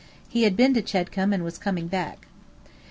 He had been to Chedcombe, and was coming back.